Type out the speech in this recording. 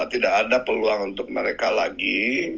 tidak ada peluang untuk mereka lagi